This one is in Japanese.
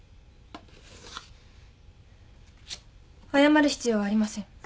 謝る必要はありません。